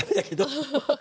アハハハハ！